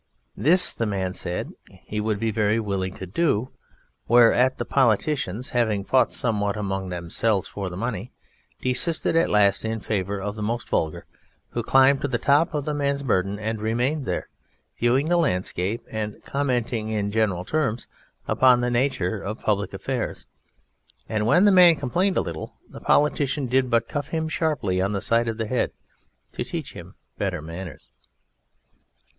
This the man said he would be very willing to do, whereat the politicians, having fought somewhat among themselves for the money, desisted at last in favour of the most vulgar, who climbed on to the top of the man's burden, and remained there, viewing the landscape and commenting in general terms upon the nature of public affairs, and when the man complained a little, the politician did but cuff him sharply on the side of the head to teach him better manners.